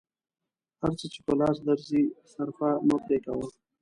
هر څه چې په لاس درځي صرفه مه پرې کوه.